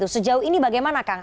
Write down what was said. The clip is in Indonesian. sejauh ini bagaimana kang